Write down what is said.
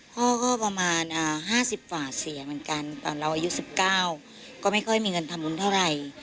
พ่อก็ประมาณอ่าห้าสิบหว่าเสียเหมือนกันตอนเราอายุสิบเก้าก็ไม่ค่อยมีเงินทำบุญเท่าไร